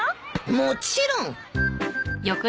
もちろん！